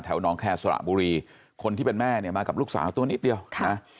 น้องแคร์สระบุรีคนที่เป็นแม่เนี่ยมากับลูกสาวตัวนิดเดียวนะ